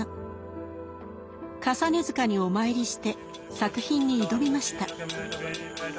累塚にお参りして作品に挑みました。